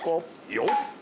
◆よっ！